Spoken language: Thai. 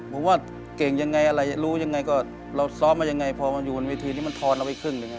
ผมว่าเก่งยังไงอะไรรู้ยังไงก็เราซ้อมมายังไงพอมันอยู่บนเวทีนี้มันทอนเราไปครึ่งหนึ่ง